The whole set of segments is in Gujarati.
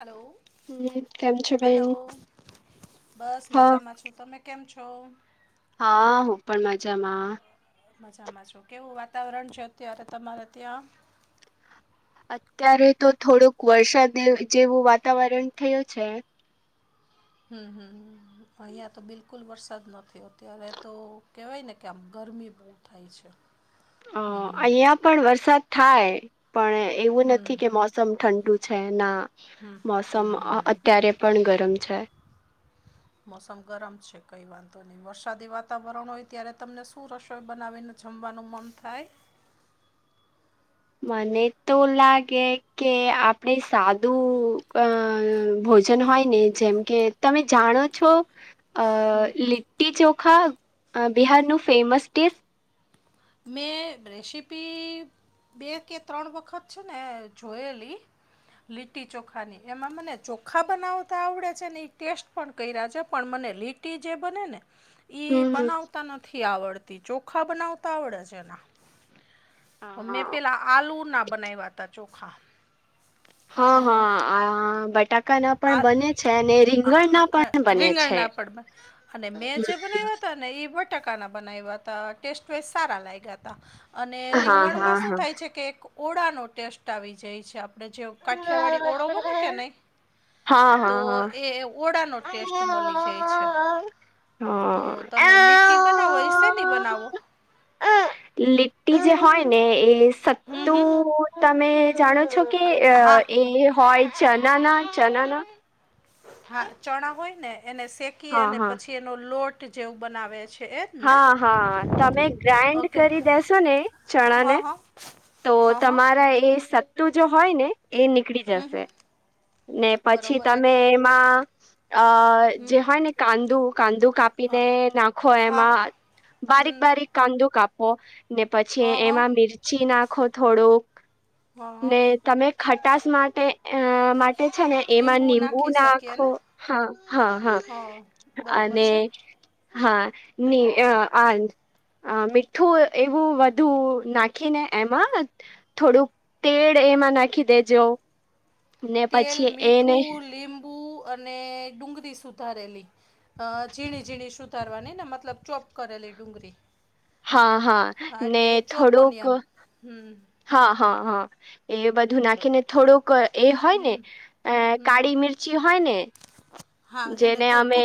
હલો હમ કેમ છો બેન હલો બસ હા મજામાં છો તમે કેમ છો હા હો પણ માજામાં મજામાં છું કેવું વાતાવરણ છે અત્યારે તમારે ત્યાં અત્યારે તો થોડોક વરસાદ જેવું વાતાવરણ થયું છે હમ હ અહીંયા તો બિલકુલ વરસાદ નયો અત્યારે તો કહેવાય ને કે આમ ગરમી પડ થાય છે અ અહિયાં પણ વરસાદ થાય પણ એવું નથી કે મો મોસમ ઠંડુ છે ના મોસમ અત્યારે પણ ગરમ છે હ [unintelligible] મોસમ ગરમ છે કઈ વાંધો નહી વરસાદી વાતાવરણ હોય ત્યારે તમને શું રસોઈ બનાવીને જમવાનું મન થાય મને તો લાગે કે આપડે સાદું અ ભોજન હોય ને જેમ કે તમે જાણો છો અ લિ્ટટી ચોખા બિહારનું ફેમસ ડિશ મેં રેસીપી બે કે ત્રણ વખત છે ને જોયેલી લીટી ચોખાની એમાં મને ચોખા બનાવતા આવડે છે ને એ ટેસ્ટ પણ કર રહ્યા છે પણ મને લી જે બને ને ઈ હમ બનાવતા નથી આવડતી ચોખા બનાવતા આવડે છે એના મેં હમ પેલા આલુ ના બના્યા ત ચોખા હા અ, હા આ બટાકા ના પણ આ બને છે અને રીંગણ ના આ પણ બને છે રીંગણના પણ બન- અને મેં જે બનાવ્યા ને બટાકાના બનાવ્યા હતા ટેસ્ટ વસ્ટ સારા લાગ્યા તા અને હા હા રીંગણમાં શું હા થાય છે કે એક ઓળાનો ટેસ્ટ આવી જાય છે આપ આપે જે કાઠિયાવાડી ઓળો બને કે નહી હા હા તો હા. એ ઓળનો ટેસ્ટ મળી જાય છે તો તમે લીટી બનાવો એસેની હા. બનાવો લીટી જે હોય ને એ હમ હમ સત્તું તમે જાણો છો કે અ હા એ હોય ચનાના ચનાના હા ચણા હોય ને એને શેકી હા અને હા પછી એનો લોટ જેવું બનાવે છે એ જ ને હા હા તમે ગ્રાાઈન્ડ ઓકે કરી દેેશો ને ચણા હા ને હા તો હા હા તમારા એ સત્તુ જો હોય ને એ હમ નીકળી હમ ને પછી બરોબર એટ તમે એમાં અ હમ જે હોય ને કાંદું કાંદું કાપીને નાખો હા એમાં બારીક હમ બારીક કાંદું કાપ ઓ ને હ પછી હ એમાં મિરચી નાખો થોડુંક હ હ ને તમે ખટાસ માટે અ માટે છે ને એમાં લીંબુ નિબુ નાખી શકીએ નાખો ને હા હા હા હ બરોબર અને છે હા ની આ અ મીઠું એવું વધુ નાખીને એમાં થોડુંક તેડ એમાં નાખી દેજો ને તેલ પછી એને મીઠું લીંબુ અને ડુંગરી સુધારેલી અ ઝીણી ઝીણી સુ સુધારવાની ને મતલબ ચોપ કરેલી ડુંગળી હા હા હા ને એટલે ચોપ થોડુંક ઓનિયન હમ્મ હા હા હા એ બધું નાખીને થોડુંક એ હોયને અ કાળી મિર્ચી હોયને જેને અમે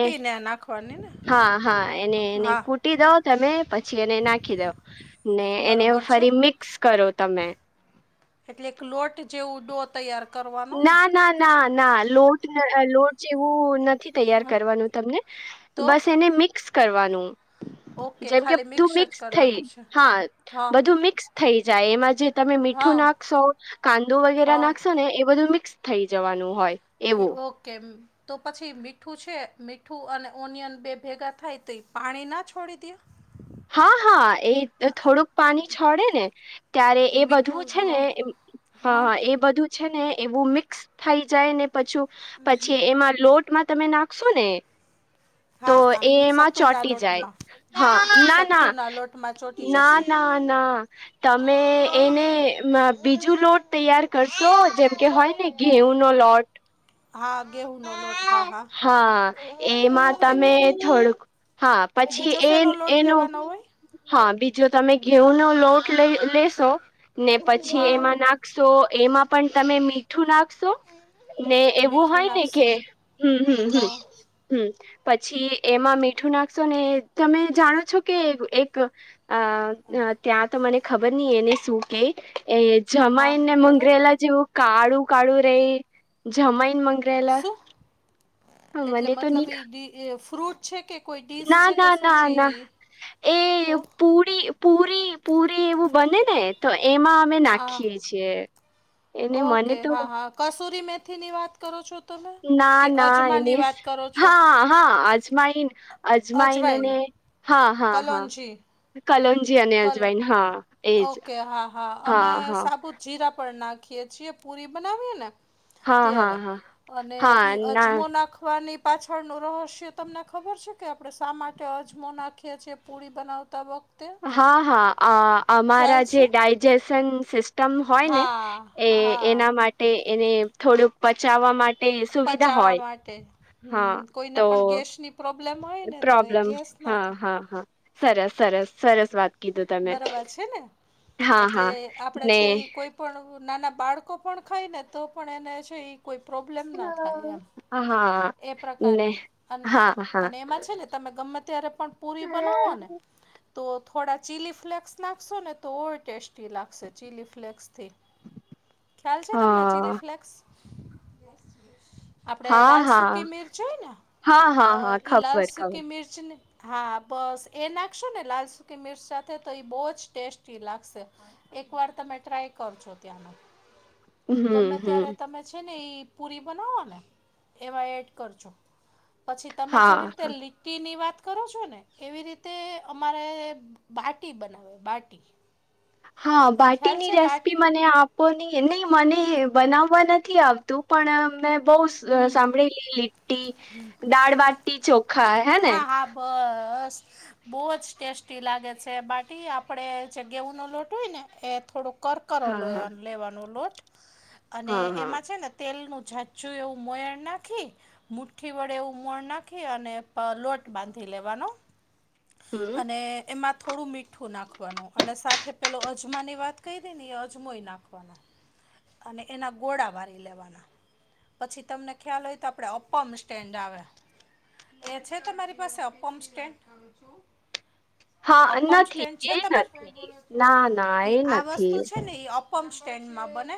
ને ને હા હા એને એને હા કૂટી દો તમે પછી એને નાખી દો ને એને બરોબર છે ફરી મિક્સ કરો તમે એટલે એક લોટ જેવું ડો તૈયાર કરવાનો ને ના ના ના ના લોટ લોટ જેવું નથી તૈયાર કરવાનું તમને તો બસ એને મિક્સ કરવાનું ઓકે જેમ કે ખાલી બધું જ મિક્સ થઈ કરવાનું છે હા હા બધું મિક્સ થઈ જાય એમાં જે તમે મીઠું હા નાખશો કાંદું વગેરે હા નાખશો ને એ બધું મિક્સ થઈ જવાનું હોય એવું ઓકે તો પછી મીઠું છે મીઠું અને ઓનિયન બે ભેગા થાય તો એ પાણી ના છોડી દે હા હા એ થોડુંક પાણી છોડે ને ત્યારે એ બધું મીઠું છે ને હં હં હા હ એ બધું ને એવું મિક્સ થઈ જાય ને પછું પછી એમાં લોટ તમે નાખશો ને તો હા હા એમાં સત્તુના ચોટી જાય લોટમાં હા ના ના સત્તુના લોટમાં ચોંટી ના જશે ના ના તમે તો એને બીજું લોટ તૈયાર કરશો જેમ કે હોય ને ઘેઉ નો લોટ હા ગેહુંનો લોટ હા હા હા એમાં ઓકે તમે થોડુંક હા પછી બીજો એ શેનો લોટ એનું લેવાનો હોય હા બીજો તમે ઘીઉ નો લોટ લઈ લેશો ને પછી એમાં હા નાખ તો એમાં પણ તમે મીઠું નાખશો? ને એવું મીઠું હોય ને કે નાખશું હમ્મ હમમમ હં હમ્મ પછી એમાં મીઠું નાખશો ને તમે જાણો છો કે એક અ ત્યાં તો મને ખબર નહી એને શું કે હા જમાઈન ને બોલો મંગરેલા જેવું કાળું કાળું રે જમાઈન મંગરેલા શું હા એટલે મને તો મતલબ નહી એ ફ્રૂટ છે કે કોઈ ડીશ ના છે કે ના શું ના છે ના એ એ તો પૂડી પુરી પુરી એવું બને ને તો એમાં અમે હા નાખીએ છીએ. એને મને ઓકે તો હા હા કસૂરી મેથીની વાત કરો છો? તમે ના કે ના અજમાની એની વાત કરો છો હા હા અજમાઈન અજમાઈન અજવાઈન અને હા હા હા કલોંજી કલોન્જી અને કલ અજવાઈન હા એજ ઓકે હા હા અમે હા સાબુત જીરા પણ નાખીએ છીએ પુરી બનાવીએ ને હા હા ત્યારે હા અને હા ઈ ના અજમો નાખવાની પાછળનું રહસ્ય તમને ખબર છે? કે આપડણે શા માટે અજમો નાખીએ છીએ પુરી બનાવતા વખતે? હા હા અમારા ખ્યાલ છે જે ડાયજેશન સિસ્ટ મ હોય ને હા એ એના હા માટે એને થોડુંક પચાવવા માટે, સુવિધા પચાવવા હોય માટે હમ હા કોઈને તો પણ ગેસની પ્રોબ્લેમ હોય ને તો એ પ્રોબ્લમ ગેસ હા નાથ હા હા સરસ સરસ સરસ વાત કીધું તમે બરાબર છે ને હા એટલે હા આપણે ને છે એ કોઈ પણ નાના બાળકો પણ ખાય ને તો પણ એને છે એ કોઈ પ્રોબ્લેમ ન થાય એમ હ હા એ ને પ્રકારની અ હા હા અને એમાં છે ને તમે ગમે ત્યારે પણ પુરી બનાવો ને તો થોડા ચીલી ફ્લેક્સ નાખશો ને તો ટેસ્ટી લાગશે ચીલી ફ્લેક્સ થી ખ્યાલ છે તમને હા ચીલી ફ્લેક્સ? હા હા મીરચ હોય હા હા હા ને ઇલાસ ખબર કે ખબર મિર્ચને હા બસ એ નાખશો ને લાલ સુકી મિર્ચ સાથે તો એ બહુ જ ટેસ્ટી લાગશે. એક વાર તમે ટ્રાય કર છો ત્યાંનો હમ ગમે હમ ત્યારે તમે છે ને એઈ પુરી બનાવો ને એવા એડ કરજો પછી તમે હા જેવી રીતે ની વાત કરો છો ને એવી રીતે અમારે બાટી બનાવે બાટી હા ખ્યાલ બાટીની છે રેસીપી બાટી મને આપ નહી નહી મને બનાવવા નથી આવતું પણ મે બહ હમ સાંભળેલી લીટી દાળબટી ચોખા હે ને? હા હા બસ બહુ જ ટેસ્ટી લાગે છે બાટી આપડે જે ગેઉ ન લોટ હોય ને એ થોડો કરક કરો હા લો હા લેવાનો લોટ અને હા હા એમાં છે ને તેલનું જાચું એવું મોયણ નાખી મઠી વડે એવું મળ નાખી અને લોટ બાંધી લેવાનો. હમ અને એમાં થોડું મીઠ મીઠું નાખવાનું અને સાથે પેલો અજમા ની વાત કહી દે અજમોય નાખવાના અને એના ગોળા ભરી લેવાના પછી તમને ખ્યાલ હોય તો આપડે અપમ સ્ટેન્ડ આવે એ છે તમારી પાસે અપમ સ્ટેન્ડ? હા અપમ નથી સ્ટેન્ડ એ છે તમારે નથી ના ના એ આ નથી વસ્તુ છે ને એ અપમ સ્ટેન્ડમાં બને.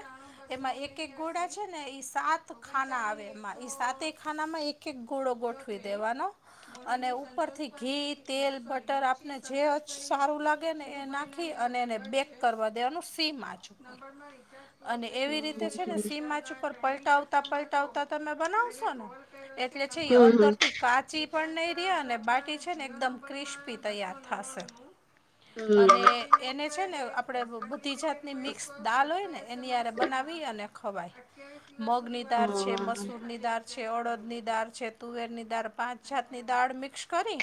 એમાં એક એક ગોળા છે ને ઈ સાત ખાના આવે એમાં ઈ સાતે ખાનામાં એક એક ગોળો ગોઠવી દેવાનો. અને ઉપરથી ઘી તેલ બટર આપને જે સારું લાગે ને એ નાખી અને એને બેક કરવા દેવાનું સીમાચું અને એવી રીતે હમ છે ને સી માચ ઉપર પલટાવતા પલટાવતા તમે બનાવશો ને, એટલે છે હમ અંદરથી કાચી પણ નહી રે અને બાટી છે ને એકદમ ક્રિસ્પી તૈયાર થાશે. અને હમ એને છે ને આપડે બુ બુદ્ધિ જાત ની મિક્સ દાલ હોય ને એનીયરે બનાવી અને ખવાય મગ ની દાળ છે હમ મસૂર ની દાળ છે અરડ ને ની દાળ છે તુવેર ની દાળ પાંચ છાત ની દાળ મિક્સ કરી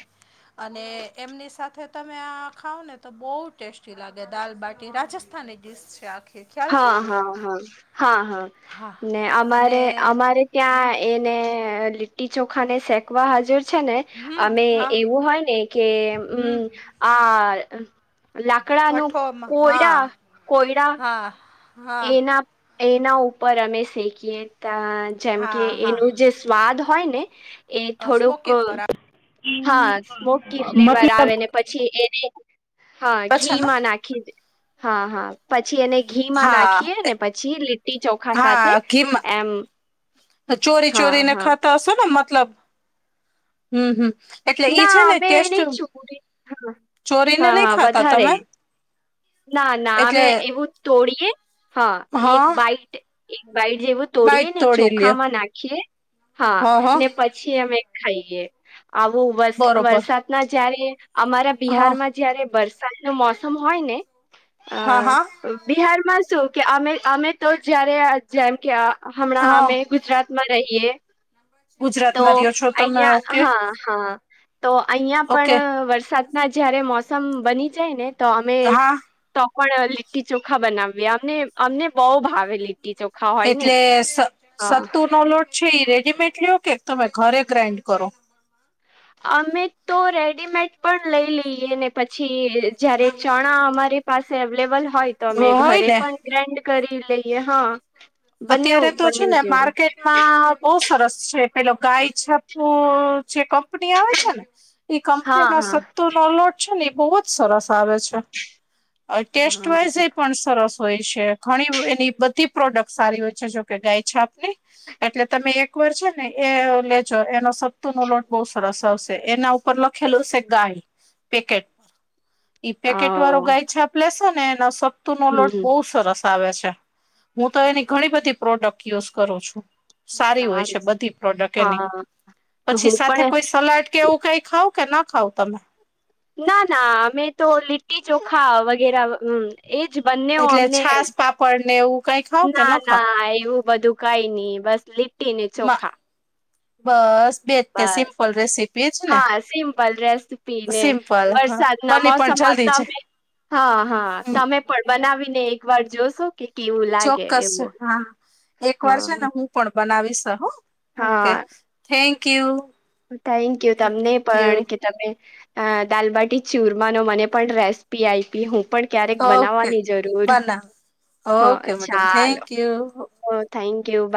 અને એમની સાથે તમે આ ખાાવ ને તો બહુ ટેસ્ટી લાગે દાલબાટી રાજસ્થાની ડીશ છે આ હા હા હા હા હા ને અને અમારે અમારે હ ત્યાં એ ને લીટી ચોખા ને શેંકવા હાજર છે ને અમે હમ હા એવું હોય ને કે હમ્મ હમ આ લાકડા નો ભઠ્ઠોમાં કોયડા હા કોયડા હા હા એના એના ઉપર અમે શેખીએ તા જેમ કે હા એનું હા જે સ્વાદ હોય ને એ થોડુંક સ્મોકી ફરા હા સ્મોકી મત ફ્લેવર આવેને પછી એને હા છે ઘી ને માં નાખી દે હા હા પછી એને ઘી માં હા નાખીએ ને એ- પછી લીટી ચોખા સાથે હા ઘીમાં એમ ચોરી હા ચોરીને હા ખાતા હશે ને મતલબ હમ્મ હમ. એટલે ઈ ના છે ને અમે ટેસ્ટ નહી છોડી ચોરીને હા નહી હા ખાતા વધારે તમે. ના ના એટલે અમે એવું તોડીએે હા એક હા બાઈટ એક બાઈટ જેવું તોડીએ બાઈટ ને તોડી લ્યો ચોખામાં નાખીએ હા ને પછી અમે ખાઈએ. આવો વર બરોબર વરસાદના જયારે અમારા હા બિહારમાં જયારે વરસાદ ન મોસમ હોય ને અ હા હા બિહારમાં શું કે અમે એમ તો જયારે જેમ કે આ હમણાં હા અમે ગુજરાતમાં રહીયએ તો ગુજરાતમાં રહ્યો છો તમે અહીંયા ઓકે હા. હા તો અહીં ઓકે પણ વરસાદના જયારે મોસમ બની જાય ને તો અમે હા તો પણ લીટી ચોખા બનાવીએ અમને અમને બહુ ભાવે લી લીટી ચોખાઓ. એટલે સ સત્તુનો લોટ છે એ રેડીમેડ લ્યો કે તમે ઘરે ગ્રાઈન્ડ કરો. અમે તો રેડીમેડ પણ લઈ લઈએ ને પછી જયારે ચણા અમારે પાસે અવલેબલ હોય તો અમે હોય ઘરે ને પણ ગ્રેન્ડ કરી લઈએ હા પા અત્યારે તો છે ને માર્કેટમાં બહુ સરસ છે પેલો ગાય છપ્પુ જે કંપની આવે છે ને એ કંપની હા ના હા સત્તો નો લોટ છે ને એ બહુ જ સરસ આવે છે. આ ટેસ્ટ હોય છે એ પણ સરસ હોય છે ઘણી એની બધી પ્રોડક્ટ સારી હોય છે જોકે ગાય છાપની એટલે તમે એક વાર છે ને એ લેજો એનો સત્તુ નો લોટ બઉ સરસ આવશે એના ઉપ ઉપર ખેલું હશે ગાય પેકેટ ઈ પેકેટ વાળો હા ગાય છાપ લેેશો ને એનો સપતુ નો હ લોટ હમ બહુ સરસ આવે છે. હું તો એની ઘણી બધી પ્રોડક્ટ યુઝ કરું છું. સારી હોય છે સારું બધી પ્રોડક્ટ એની હા તો પછી હું સાથે પણ કોઈ સલાડ કેવું કઈ ખાવ કે ના ખાવ તમે. ના ના અમે તો લિટી ચોખા વગેર વ એજ બંનેવા એટલે અમને છાસ પાપડ ને એવું કઈ ખાવ કે ના ન ખાવ ના એવું બધું કઈ નઈ બસ લીટી ને ચોખા. બસ બેજ તે બસ સિમ્પલ રેસીપી જ ને હા સિમ્પલ રેસીપી ને સિમ્પલ હા વરસાદના બની પણ મોસમમાં જલ્દી છે તમે હા હા તમે પણ બનાવીને એક વાર જોશો કે કેવું લાગે ચોક્કસ છે એવું હા એક વાર છે ને હા હું હું પણ બનાવીશ હા ઓકે હા થેન્ક યુ. થેન્ક યુ તમને થેન્ક પણ યુ કે તમે અ દાલબાટી ચુરમાનો મને પણ રેસીપી આઈ પી હું પણ ક્યારેક ઓકે બનાવવાની જરૂર બનાવ હ ઓકે મેડમ ચાલો. થેન્ક યુ ઓ થેન્ક યુ બાય